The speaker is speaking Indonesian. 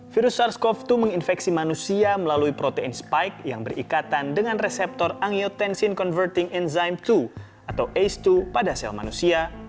virus sars cov dua menginfeksi manusia melalui protein spike yang berikatan dengan reseptor angiotensin converting enzyme dua atau ace dua pada sel manusia